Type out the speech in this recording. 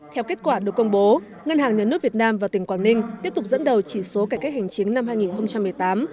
theo kết quả được công bố ngân hàng nhà nước việt nam và tỉnh quảng ninh tiếp tục dẫn đầu chỉ số cải cách hành chính năm hai nghìn một mươi tám